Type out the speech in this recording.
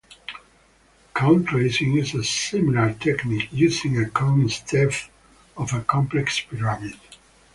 Cone tracing is a similar technique using a cone instead of a complex pyramid.